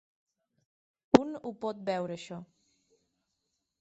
Un ho pot veure això.